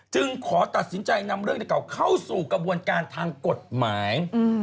ขอตัดสินใจนำเรื่องเก่าเข้าสู่กระบวนการทางกฎหมาย